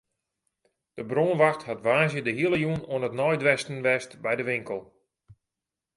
De brânwacht hat woansdei de hiele jûn oan it neidwêsten west by de winkel.